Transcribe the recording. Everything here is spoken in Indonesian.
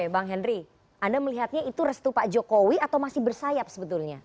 bang henry anda melihatnya itu restu pak jokowi atau masih bersayap sebetulnya